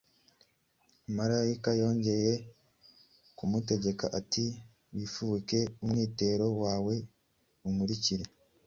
Umumarayika yongeye kumutegeka ati, « Wifubike umwitero wawe, unkurikire. »